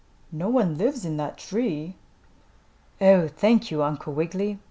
No one lives in that tree." "Oh, thank you, Uncle Wiggily.